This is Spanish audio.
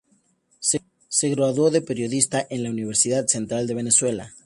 Se graduó de periodista en la Universidad Central de Venezuela.